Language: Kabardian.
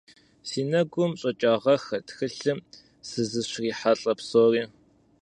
Си нэгу щӀэкӀагъэххэт тхылъым сызыщрихьэлӀэ псори.